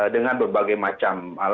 dengan berbagai macam